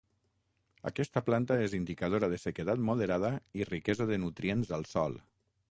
Aquesta planta és indicadora de sequedat moderada i riquesa de nutrients al sòl.